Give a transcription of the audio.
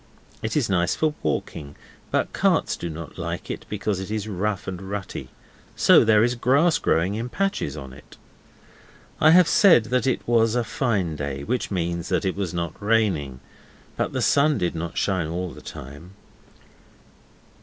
It is nice for walking, but carts do not like it because it is rough and rutty; so there is grass growing in patches on it. I have said that it was a fine day, which means that it was not raining, but the sun did not shine all the time.